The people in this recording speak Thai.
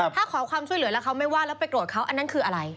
ถ้าขอความช่วยเหลือแล้วเขาไม่ว่าแล้วไปโกรธเขาอันนั้นคืออะไร